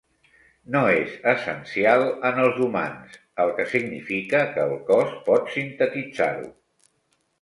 No és essencial en els humans, el que significa que el cos pot sintetitzar-ho.